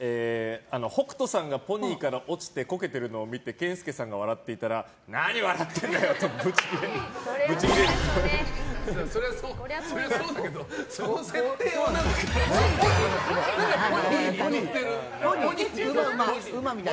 北斗さんがポニーから落ちてこけているのを見て健介さんが笑っていたら何笑ってんだよ！とブチギレるっぽい。